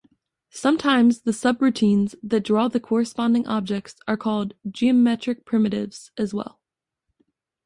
Sometimes the subroutines that draw the corresponding objects are called "geometric primitives" as well.